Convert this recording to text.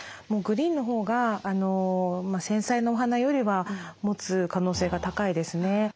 もうグリーンのほうが繊細なお花よりはもつ可能性が高いですね。